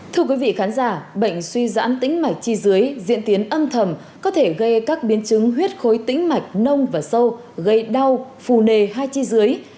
thưa quý vị khán giả bệnh suy giãn tĩnh mạch chi dưới diện tiến âm thầm có thể gây các biến chứng huyết khối tĩnh mạch nông và sâu gây đau phù nề hay chi dưới